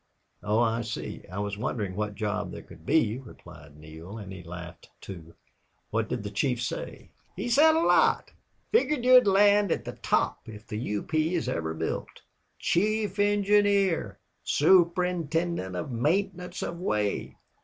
"Oh, I see! I was wondering what job there could be," replied Neale, and he laughed, too. "What did the chief say?" "He said a lot. Figured you'd land at the top if the U. P. is ever built.... Chief engineer!... Superintendent of maintenance of way!"